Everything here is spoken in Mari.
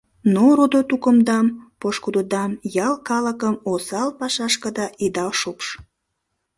Но родо-тукымдам, пошкудыдам, ял калыкым осал пашашкыда ида шупш.